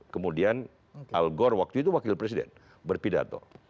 kemudian al gore waktu itu wakil presiden berpidato